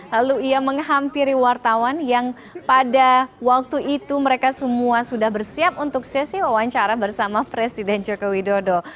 lalu ia menghampiri wartawan yang pada waktu itu mereka semua sudah bersiap untuk sesi wawancara bersama presiden joko widodo